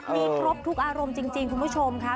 มีครบทุกอารมณ์จริงคุณผู้ชมค่ะ